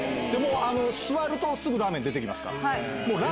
座るとすぐラーメン出て来ますから。